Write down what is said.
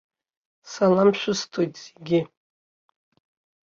Салам шәысҭоит зегьы!